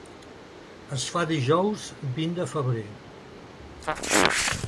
Es fa dijous, vint de febrer.